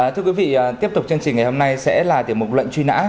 thưa quý vị tiếp tục chương trình ngày hôm nay sẽ là tiểu mục lệnh truy nã